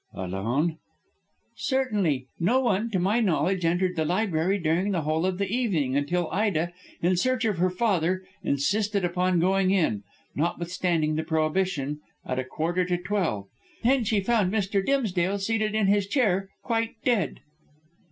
"Alone?" "Certainly. No one, to my knowledge, entered the library during the whole of that evening until Ida, in search of her father, insisted upon going in, notwithstanding the prohibition, at a quarter to twelve. Then she found Mr. Dimsdale seated in his chair, quite dead."